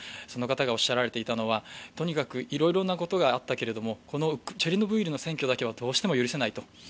その方がおっしゃられていたのは、とにかくいろいろなことがあったけれどもチェルノブイリの占拠だけはどうしても許せないと。